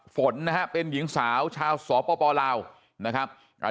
ฝนนะฮะเป็นหญิงสาวชาวสปลาวนะครับอ่า